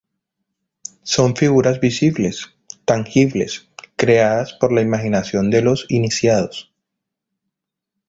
Son figuras visibles, tangibles, creadas por la imaginación de los iniciados.